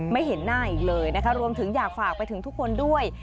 ไม่เห็นหน้าอีกเลยนะคะรวมถึงอยากฝากไปถึงทุกคนด้วย